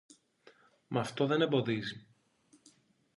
Μ' αυτό δεν εμποδίζει.